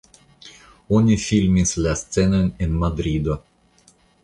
Oni filmis la scenojn en Madrido.